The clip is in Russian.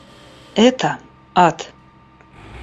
Это — ад!